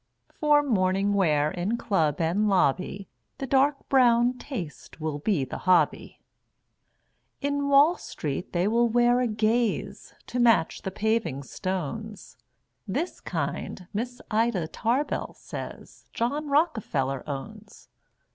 For morning wear in club and lobby, The Dark Brown Taste will be the hobby. In Wall Street they will wear a gaze To match the paving stones. (This kind, Miss Ida Tarbell says, John Rockefeller owns.)